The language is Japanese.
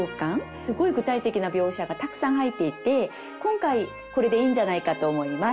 すごい具体的な描写がたくさん入っていて今回これでいいんじゃないかと思います。